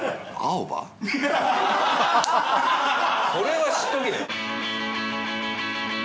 それは知っとけよ。